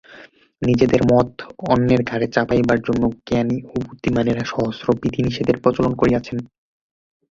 নিজেদের মত অন্যের ঘাড়ে চাপাইবার জন্য জ্ঞানী ও বুদ্ধিমানেরা সহস্র বিধিনিষেধের প্রচলন করিয়াছেন।